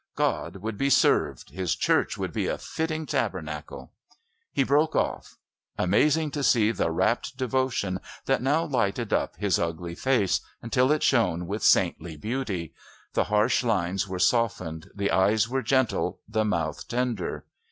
God would be served! His Church would be a fitting Tabernacle!..." He broke off. Amazing to see the rapt devotion that now lighted up his ugly face until it shone with saintly beauty. The harsh lines were softened, the eyes were gentle, the mouth tender.